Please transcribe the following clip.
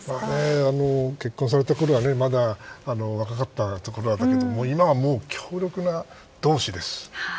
結婚されたころはまだ若かったけれど今はもう、強力な同志です。